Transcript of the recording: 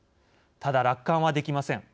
ただ楽観はできません。